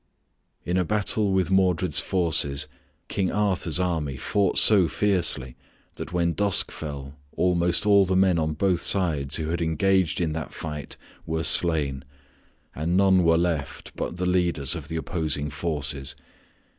In a battle with Modred's forces King Arthur's army fought so fiercely that when dusk fell almost all the men on both sides who had engaged in that fight were slain, and none were left but the leaders of the opposing forces.